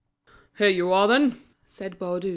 "Here you are, then!" said Baudu.